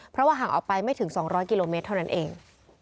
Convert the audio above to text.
เพราะว่าห่างออกไปไม่ถึง๒๐๐กิโลเมตรเท่านั้นเอง